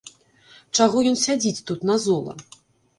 Чаго ён сядзіць тут, назола?